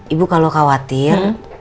ibu kalau khawatir